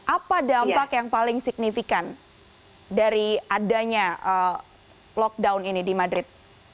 apa dampak yang paling signifikan dari adanya lockdown ini di madrid